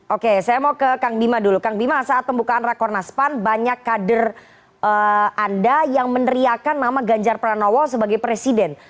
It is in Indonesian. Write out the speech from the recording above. oke saya mau ke kang bima dulu kang bima saat pembukaan rakornas pan banyak kader anda yang meneriakan nama ganjar pranowo sebagai presiden